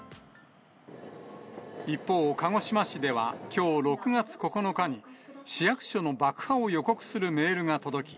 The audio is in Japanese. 一方、鹿児島市ではきょう６月９日に、市役所の爆破を予告するメールが届き、